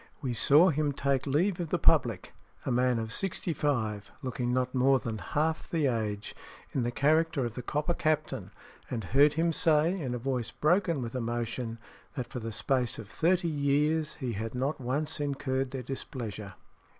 We saw him take leave of the public, a man of sixty five, looking not more than half the age, in the character of the Copper Captain; and heard him say, in a voice broken with emotion, that for the space of thirty years he had not once incurred their displeasure."